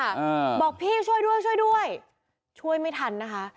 อ่าบอกพี่ช่วยด้วยช่วยด้วยช่วยไม่ทันนะคะ